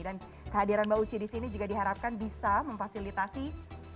dan kehadiran mbak uci di sini juga diharapkan bisa memfasilitasi teman teman yang ada di sini